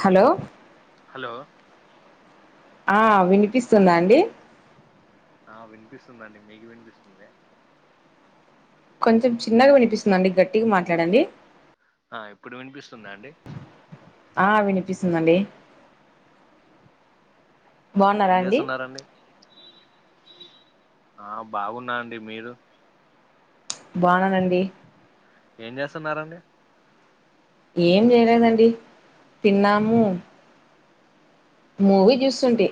Hello hello ఆ వినిపిస్తుందా అండి? ఆ వినిపిస్తుందండి మీకు వినిపిస్తుంద? కొంచెం చిన్నగా వినిపిస్తుందిండి గట్టిగా మాట్లాడండి ఆ ఇప్పుడు వినిపిస్తుందా అండి ఆ వినిపిస్తుందండి ఆ ఏం బాగున్నారా అండి చేస్తున్నారండి ఆ బాగున్నా అండి మీరు బావున్నానండి ఏం చేస్తున్నారండి ఏం చేయలేదండి తిన్నాము మూవీ చూస్తుంటి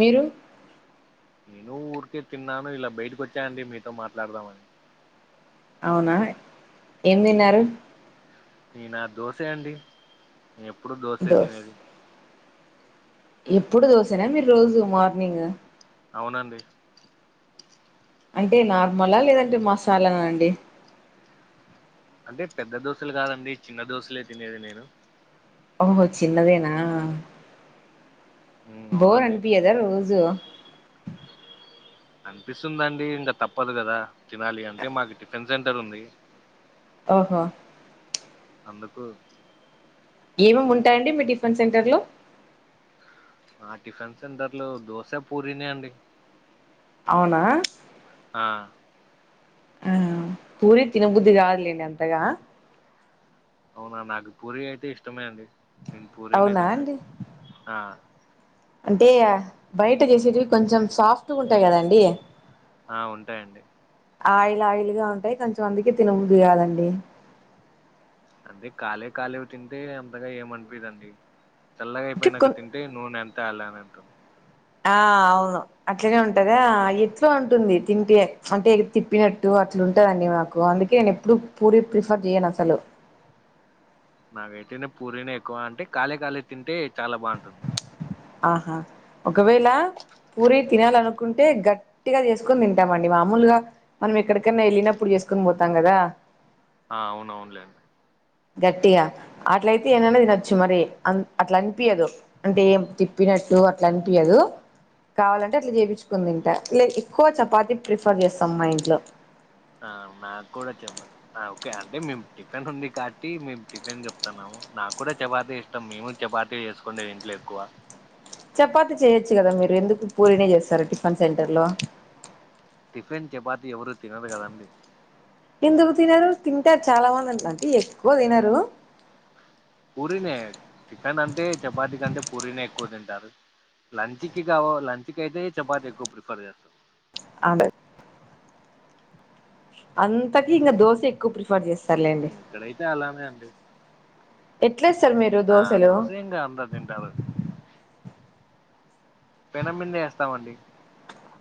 మీరు నేనూ ఊరికే తిన్నాను ఇలా బయటకు వచ్చా అండి మీతో మాట్లాడదామని అవునా ఏం తిన్నారు నేనా దోశ అండి నే ఎప్పుడూ దోశే తినేది ఎప్పుడూ దోశెనా మీరు రోజూ మార్నింగ్ అవునండి అంటే నార్మలా లేదంటే మసాలానా అండి అంటే పెద్ద దోశలు కాదండి చిన్న దోశలే తినేది నేను ఓహో చిన్నదేనా ఉమ్ బోర్ అవునండి అన్పియ్యదా రోజూ అన్పిస్తుందండి ఇంక తప్పదు కదా తినాలి అంటే మాకు టిఫిన్ సెంటర్ ఉంది ఓహో అందుకు ఏమేం ఉంటాయండి మీ టిఫన్ సెంటర్లో మా టిఫన్ సెంటర్లో దోశ పూరినే అండి అవునా ఆ ఆ పూరి తినబుద్ధి కాదులేండి అంతగా అవునా నాకు పూరి అయితే ఇష్టమే అండి నేను పూరీనే అవునా తింటా అండి ఆ అంటే బయట చేసేటివి కొంచెం సాఫ్టుగుంటాయి కదండి ఆ ఉంటాయండి ఆయిల్ ఆయిల్ గా ఉంటాయి కొంచెంమందికి తినబుద్ది కాదండి అంటే కాలే కాలేవి తింటే అంతగా ఏం అన్పియ్యదండి చల్లగా అంటే కొ అయిపోయినాక తిన్ టే నూనె అంతా అలానే ఉంటుం ఆ అవును అట్లనే ఉంటదా ఎట్లో ఉంటుంది తింటే అంటే తిప్పినట్టు అట్లుంటదండి మాకు అందుకే నే ప్పుడూ పూరి ప్రిఫర్ చెయ్యను అసలు నాకైతేనే పూరీనే ఎక్కువ అంటే కాలే కాలే తింటే చాలా బావుంటుంది ఆహా ఒకవేళ పూరీ తినాలనుకుంటే గట్టిగా చేసుకొని తింటామండి మామూలుగా మనం ఎక్కడికన్నా ఎళ్ళినప్పుడు చేసుకుని పోతాం కదా ఆ అవునవునులేం గట్టిగా అట్లయితే ఏన్నన్నా దినచ్చు మరి అన్ అట్లన్పియ్యదు అంటే ఏం తిప్పినట్టు అట్లా అన్పియ్యదు కావాలంటే అట్లా చేపిచ్చుకొని దింటా లే ఎక్కువ చపాతి ప్రిఫర్ చేస్తాం మా ఇంట్లో ఆ నాకు కూడ చపా ఓకే అంటే మేము టిఫిన్ ఉంది కాబట్టి మేము టిఫిన్ చెప్తతున్నాము నాకు కూడా చపాతే ఇష్ ష్టం మేము చపాతీ చేసుకుండేది ఇంట్లో ఎక్కువ చపాతి చేయొచ్చు కదా మీరు ఎందుకు పూరినే చేస్తారు టిఫిన్ సెంటర్ లో టిఫిన్ చపాతి ఎవరు తినరు కదండి ఎందుకు తినరు తింటారు చాలా మంది అంటే అండి ఎక్కువ తినరు పూరీనే టిఫెన్ అంటే చపాతి కంటే పూరీనే ఎక్కువ తింటారు లంచ్ కి కావ లంచ్ కయితే చపాతి ఎక్కువ ప్రిఫర్ చేస్తాం అదే అంతకీ ఇంగ దోశె ఎక్కువ ప్రి వాడు చేస్తార్లే ఇక్కడైతే అలానే అండి ఎట్లేస్తారు మీరు ఆ దోశలు దోశ ఇంగ ఆం తింటారు [inaudible] పెనం మింద వేస్తామండి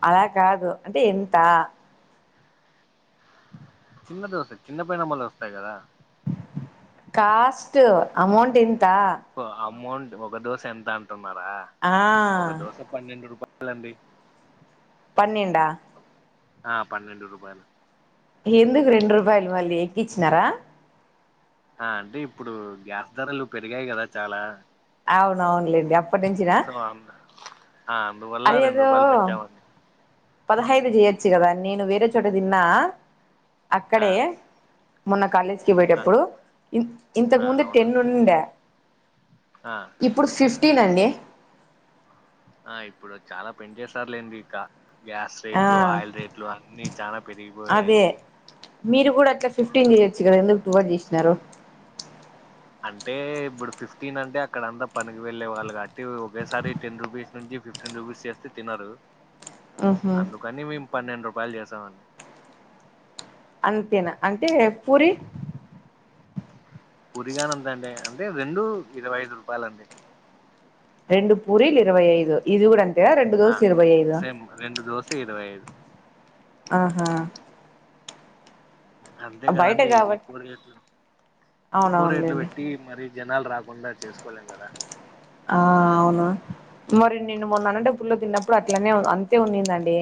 అలా కాదు అంటే ఎంత చిన్నది వస్తాయి చిన్న పెనుములు వస్తాయి కదా కాస్ట్ అమౌంట్ ఎంత అమౌంట్ ఒక దోశ ఎంత అంటున్నారా ఆ ఒక దోశ పన్నెండు రూపాయలండి పన్నెండా ఆ పన్నెండు రూపాయలు ఎందుకు రెండు రూపాయలు మళ్ళీ ఎక్కించినారా ఆ అంటే ఇప్పుడు గ్యాస్ ధరలు పెరిగాయి కదా చాలా అవునవునులేండి అప్పటి నుంచిన సో అందు ఆ అందువల్ల రెండు అదేదో రూపాయలు పెంచామండి పదహైదు చేయొచ్చు కదా నేను వేరే చోట తిన్నా ఆ అక్కడే మొన్న కాలేజ్కి ఆ పోయేటప్పుడు ఇ ఇంతకు ఆ ముందు టెన్ అవునండి ఉండే ఆ ఇప్పుడు ఫిఫ్టీన్ అండి ఆ ఇప్పుడు చాలా పెంచేసారులేండి ఇంక గ్యాస్ ఆ రేట్లు ఆయిల్ రేట్లు అన్ని చాలా పెరిగిపోయాయి అదే మీరు కూడా అట్లా ఫిఫ్టీన్ చేయచ్చు కదా ఎందుకు ట్వెల్వ్ చేసిన అంటే ఇప్పుడు ఫిఫ్టీన్ అంటే అక్కడంతా పనికి వెళ్ళే వాళ్ళు కాబట్టి ఒకేసారి టెన్ రూపీస్ నుంచి ఫిఫ్టీ ఫిఫ్టీన్ రూపీస్ చేస్తే తినరు ఉహు అందుకని మేము పన్నెండు రూపాయలు చేసామండి అంతేనా అంటే పూరి పురిగానంతేండి అంటే రెండు ఇరవై ఐదు రూపాయలండి రెండు పూరీలు ఇరవై ఐదు ఇది కూడా అంతేగ రెండు ఆ దోశలు ఇరవై ఐదు సేమ్ రెండు దోస ఇరవై ఐదు ఆహా అంతే బయట కదండి ఇది కాబట్టి ఎక్కువ రేట్లు ఎక్కువ రేట్లు అవునవునులేండి పెట్టి మరి జనాలు రాకుండా చేసుకోలేం కదా ఆ అవును మరి నేను అనంతపూర్లో తిన్నప్పుడు అట్లనే అంతే ఉన్నిందండీ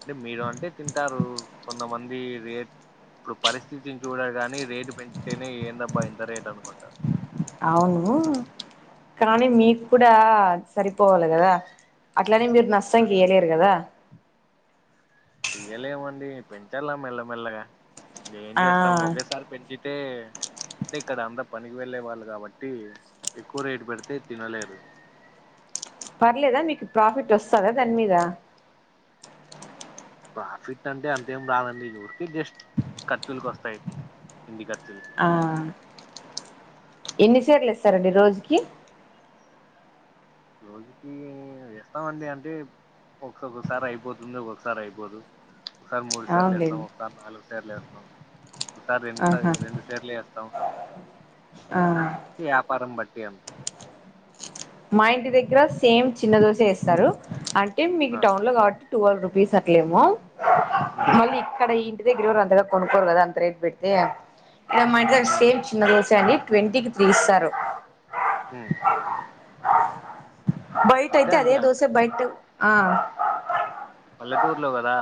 అంటే మీరు అంటే తింటారు కొంతమంది రేట్ ఇప్పుడు పరిస్థితిని చూడాగానే రేటు పెంచితేనే ఏందబ్బా ఇంత రేటు అనుకుంటారు అవును కానీ మీకు కూడా సరిపోవాలి కదా అట్లనే మీరు నష్టం చేయలేరు కదా ఇయ్యలేమండి పెంచలా మెల్లమెల్లగా ఇం ఏం ఆ చేస్తాం ఒకేసారి పెంచితే అంటే ఇక్కడ అంత పనికి వెళ్ళే వాళ్ళు కాబట్టి ఎక్కువ రేటు పెడితే తినలేరు పర్లేద మీకు ప్రాఫిట్ వస్తద దాని మీద ప్రాఫిట్ అంటే అంతేం రాదండి ఊరికే జస్ట్ ఖర్చులకి వస్తాయ్ ఇంటి ఖర్చులు ఆ ఎన్ని సార్లు [unintelligible] స్తారండి రోజుకి రోజుకి ఇస్తామండి అంటే ఒకోక్కసారి అయిపోతుంది ఒక్కసారి అయిపోదు ఒకసారి మూడు సార్లు ఏస్తాం అవునులేండి ఒకసారి నాలుగు సర్లు ఏస్తాం ఒకసారి రెండు స ఆహా రెండు సర్లు వేస్తాం ఆ వ్యాపారం బట్టి అంతే మా ఇంటి దగ్గర సేమ్ చిన్న దోశ వేస్తారు అంటే మీకు ఆ టౌన్ లో కాబ ట్వల్వ్ రుపీస్ అట్లేమో ఉమ్ మళ్ళీ ఇక్కడ [unintelligible] [unintelligible] అంతగా కొనుకోరు కదా అంత రేటు పెట్టి ఉమ్ [unintelligible] [unintelligible] ట్వంటీకి త్రీ ఇస్తారు హ బయట అంతే అయితే అదే అండి దోస అంతే బయట ఆ పల్లెటూరులో కదా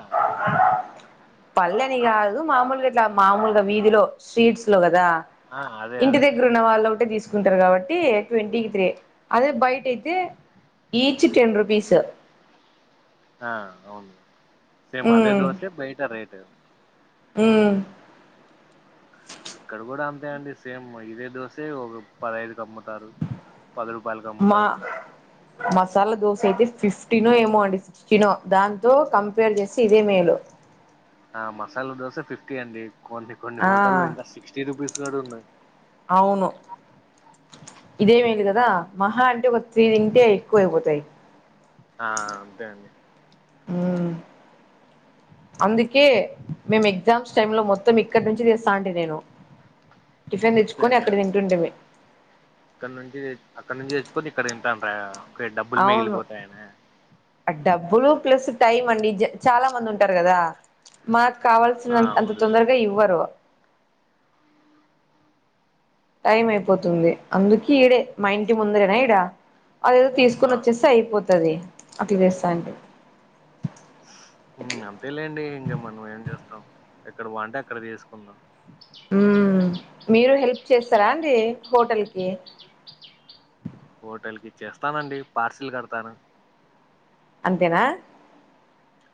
పల్లె అని కాదు మామూలుగా ఇట్లా మామూలుగా వీధిలో స్ట్రీట్స్ లో కదా ఆ అదే ఇంటి అదే దగ్గర ఉన్న వాళ్ళు ఒకటే తీసుకుంటారు కాబట్టి ట్వంటీకి త్రీ అదే బయట అయితే ఈచ్ టెన్ రూపీస్ ఆ అవును సేమ్ అదే దోసే బయట రేటు ఉ ఇక్కడ కూడ అంతే అండి సేమ్ ఇదే దోసే ఒక పదహైదు కి అమ్ముతారు పది రూపాయలకి మా అమ్ముతారు మసాలా దోశ అయితే ఫిఫ్టీనో ఏమో అండి సిక్స్టీనో దాంతో కంపేర్ చేస్తే ఇదే మేలు ఆ మసాల దోస ఫిఫ్టీ అండి కొన్ని కొన్ని ఆ హోటల్లో ఇంకా సిక్స్టీ రూపీస్ కూడ ఉన్నాయ్ అవును ఇదే మేలు కద మహా అంటే ఒక [unintelligible] ఎక్కువ అయిపోతాయి ఆ అంతే అండి మ్మ్ [inaudible] అందుకే మేము ఎగ్జామ్స్ టైమ్ లో మొత్తం ఇక్కడ నుంచి తెస్త ఉంటి నేను [inaudible] టిఫిన్ తెచ్చుకొని సేమ్ మీద అక్కడ తంటుంటీమి ఇక్కడ నుంచి అక్కడ నుంచి తెచ్చుకొని ఇక్కడంత ఒకే డబ్బులు అవును మిగిలిపోతాయన డబ్బులు ప్లస్ టైం అండి చాల మంది ఉంటారు కదా మా ఆ కావల్సిన అంత అవునులేండి తొందరగ ఇవ్వరు టైం అయిపోతుంది అందుకే ఈడే మా ఇంటి ముందరెన ఈడ అదేదో తీసుకొని ఆ వచ్చేస్తే అయిపోతది అట్ల చేస్తా అండి అంతే లేండి ఇంగ మనం ఏం చేస్తాం ఎక్కడ బంటే అక్కడ తీసుకుందాం మీరు హెల్ప్ చేస్తార అండి హోటల్కి హోటల్కి ఇచేస్తానండి పార్సల్ కడతాను అంతేన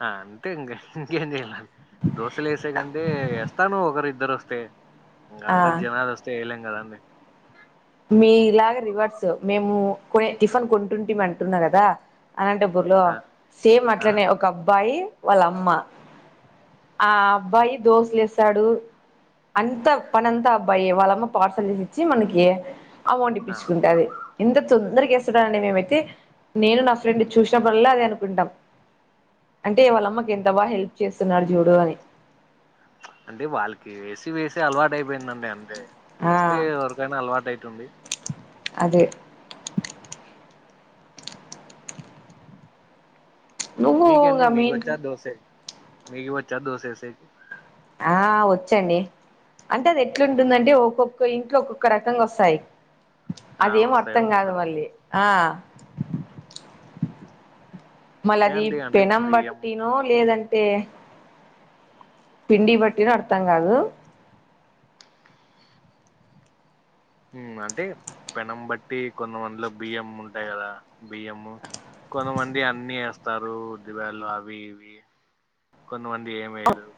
అంతే ఇంగ ఇంకేం చేయాల దోసలు ఎసే ఎస్తాను ఒకరు ఇద్దరు వస్తే ఆ అందరు జనాల్ [unintelligible] చేయలేం కదా అండి మీలాగ రివర్స్ మేము కొ టిఫన్ కొంటుంటిమీ అంటున్నా కదా అనంతపూర్లొ ఆ! సేమ్ ఆ! అట్లనే ఒక అబ్బాయి వాళ్ళ అమ్మ ఆ అబ్బాయి దోస్లేసాడు అంత పనంతా అబ్బాయ వాళ్ళమ్మ పార్సల్ తీసి ఇచ్చి మనకి అమౌంట్ ఆ! ఇప్పించుకుంటాది ఎంత తొందరగా ఏస్తాడని మేమైతే నేను నా ఫ్రెండ్ చూసినప్పుడల్లా అదే అనుకుంటాం అంటే వాళ్ళమ్మకు ఎంత బాగా హెల్ప్ చేస్తున్నాడు జూడు అని అంటే వాళ్ళకి వేసి వేసి అలవాటు అయిపోయిందండి అంతే ఆ వేస్తే ఎవరికైనా అలవాటు అయితుంది అదే నువ్వు మీకేండి ఇంగ మీ మీకు ఇంట్లో వచ్చా దోసే మీకు వచ్చా దోసె ఏసేకి ఆ వచ్చు అండి అంటే అది ఎట్లుంటుందంటే ఒక్కొక్క ఇంట్లో ఒక్కొక్క రకంగా వస్తాయ్ ఆ! అదేం వస్తాయి అర్థం కాదు ఒక్కొక్కరికి. మళ్ళీ ఆ మళ్ళ అంతే అది అండి. అంటే పెనం బియ్యం బట్టినో లేదంటే పిండి బట్టినో అర్థం కాదు ఉమ్ అంటే పెనం బట్టి కొంతమందిలో బియ్యం ఉంటాయ్ కదా బియ్యము కొంతమంది అన్నీ ఏస్తారు ఉద్దిబేడ్లు అవి ఇవి కొంతమంది ఏమెయ్యరు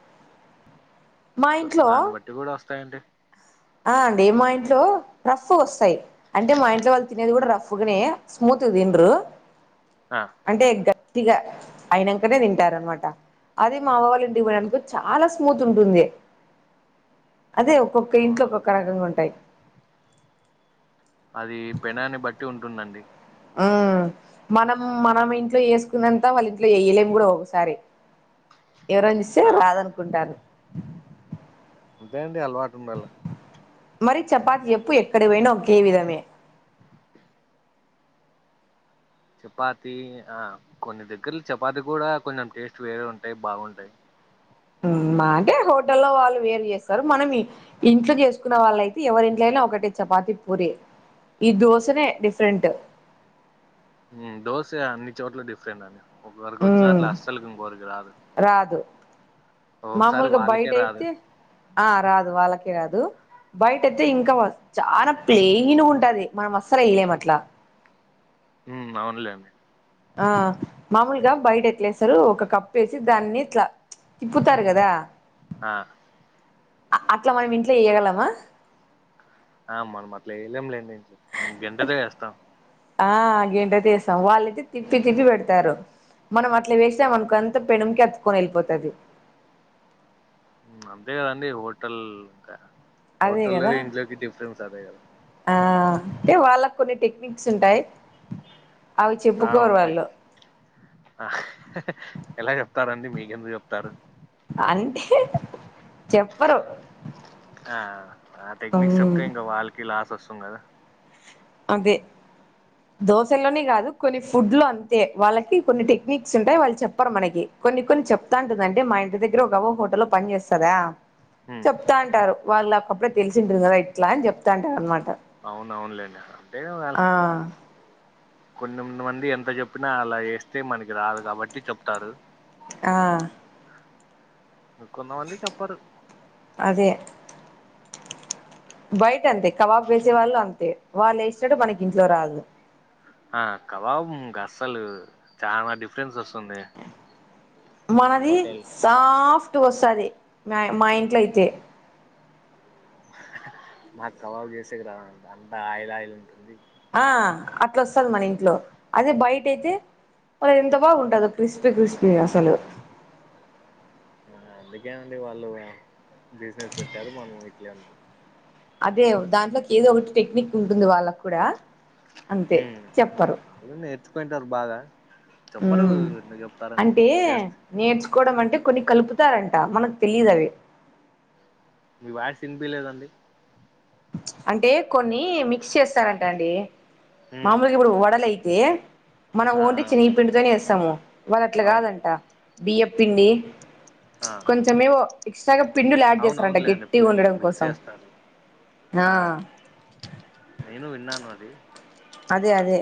మా సో ఇంట్లో దాన్ని బట్టి కూడా వస్తాయండి ఆ అండి మా ఇంట్లో రఫ్ వస్తాయ్ అంటే మా ఇంట్లో వాళ్ళు తినేది కూడా రఫ్ గనే స్మూత్ గా తిన్రు ఆ అంటే గట్టిగా అయినంకనే తింటారన్మాట అది మా అవ్వ వాళ్ళింటికి పొయ్యాన్కో చాలా స్మూత్ ఉంటుంది అదే ఒక్కొ ఇంట్లో ఆ ఒక్కొక్క రకంగా ఉంటాయ్ అది పెనాన్ని బట్టి ఉంటుందండి ఆ మనం మనం ఇంట్లో వేసుకున్నంత వాళ్ళ ఇంట్లో ఎయ్లేము కూడా ఒకసారి ఎవరైనా ఇస్తే ఆ రాదనుకుంటారు అంతే అండి అలవాటు ఉండాలి మరి చపాత్ చెప్పు ఎక్కడ పోయినా ఒకే విధమే చపాతి ఆ కొన్ని దగ్గర్లు చపాతి కూడా కొంచెం టేస్ట్ వేరే ఉంటాయ్ బాగుంటాయ్ ఉమ్ అంటే హోటల్లో వాళ్ళు వేరు చేస్తారు మనం ఈ ఇంట్లో చేసుకున్న వాళ్ళయితే ఎవరింట్లో అయినా ఒకటే చపాతి, పూరి ఈ దోశనే డిఫరెంట్ ఉమ్ దోశే అన్ని చోట్ల డిఫరెంట్ అండి ఒకరికి అచ్చినట్ల ఉమ్ అస్సలుకి ఇంకోరికి రాదు రాదు ఒక్కొక్కసారి మామూలుగా బైట వాళ్ళకే రాదు అయితే ఆ రాదు వాళ్ళకే రాదు బయట ఐతే ఇంకావా చాలా ప్లేయిన్ గా ఉంటది మనం అస్సలు వేయ్యలేం అట్లా ఉమ్ అవున్లే అండి ఆ మామూలుగా బయట ఎట్లేస్సారు ఒక కప్ కప్పేసి దాన్ని ఇట్లా తిప్పుతారు కదా ఆ అ అట్లా మనం ఇంట్లో ఎయ్యగలమా? ఆ మనం అట్లా ఎయ్యలేం లేండి ఇంట్లో మనం గెంటెతో వేస్తాం ఆ గేంటెతో అస్తాం వాళ్ళైతే తిప్పి తిప్పి పెడతారు మనం అట్లా వేస్తే మనకు అంత పెనుంకి అతుక్కోని వెళ్పోతాది అమ్ అంతే కదండి హోటల్ ఇంకా అదే హోటల్ కదా ఇంట్లోకి డిఫరెన్స్ అదే కదా ఆ అంటే వాళ్ళకు కొన్ని టెక్నిక్స్ ఉంటాయి అవి ఆ చెప్పుకోరు ఉంటాయి వాళ్ళు ఆ ఎలా చెప్తారండి మీకెందుకు చెప్తారు అంటే చెప్పరు ఆ ఆ టెక్నిక్స్ ఉమ్ చెప్తే ఇంకా వాళ్ళకి లాస్ వస్తుంది కదా అదే దోశల్లోనే కాదు కొన్ని ఫుడ్లు అంతే వాళ్ళకి కొన్ని టెక్నిక్స్ ఉంటాయి వాళ్ళు చెప్పరు మనకి కొన్ని కొన్ని చెప్తాంటందంటే మా ఇంటి దగ్గర ఒక అవ్వ హోటల్లో లో పని చేస్తాదా చెప్తా అంటారు వాళ్ళు అప్పుడే తెలిసింటారు కదా ఇట్లా అని చెప్తా అంటారు అన్నమాట అవును అవును లేెండి అంట వల కొన్నిది మంది ఎంత చెప్పినా అలా వేస్తే మనకి రాదు కాబట్టి చెప్తారు ఆ కొంతమంది చెప్పారు అదే బయట అంతే కబాబ్ వేసే వాళ్ళు అంతే వాళ్ళు వేసినట్టు మనకి ఇంట్లో రాదు ఆ కబాబు గ అస్సలు చాలా డిఫరెన్స్ వస్తుంది మనది హోటల్ సాఫ్ట్ వస్తది మా మా ఇంట్లో అయితే మాకు కవాబు చేసేకి రాదంట అంత ఆయిల్ ఆయిల్ ఉంటుంది ఆ అట్లాస్తంది మన ఇంట్లో అదే బయట అయితే ఓ రే ఎంతా బాగా ఉంటాదో క్రిస్పి క్రిస్పిగా అసలు అందుకే అండి వాళ్ళు బిజినెస్ పెట్టారు మనం ఇట్ల అన్నా అదే దాంట్లోకి ఏదో ఒకటి టెక్నిక్ ఉంటుంది వాళ్ళకు కూడా అంతే చెప్పరు ఏద నేర్చుకుంటారు బాగా చెప్పరు మ్మ్ ఎందుకు చెప్తారండి అంటే చేస్త నేర్చుకోవడం అంటే కొన్ని కలుపుతారంట మనకు తెలీదు అవి మీ వాయిస్ వినిపిలేదండి అంటే కొన్ని మిక్స్ చేస్తారంట అండి ఉమ్ మామూలుకి ఇప్పుడు వడలే ఎ మనం ఆ ఓన్ని ఆ చిన్నగి పిండితోనే వేస్తాము వాళ్ళు అట్లా అవును కాదంట బియ్యప్పిండి ఆ కొంచమేవో ఎక్స్ట్రాగా పిండులు యాడ్ అవును చేస్తారంట అవునులేండి గట్టిగా ఉండడం మిక్స్ కోసం చేస్తారు ఆ నేను విన్నాను అది అదే అదే